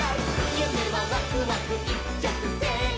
「ゆめはわくわくいっちょくせん！」